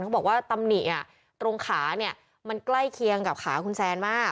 เขาบอกว่าตำหนิตรงขาเนี่ยมันใกล้เคียงกับขาคุณแซนมาก